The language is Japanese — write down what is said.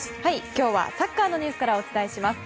今日はサッカーのニュースからお伝えします。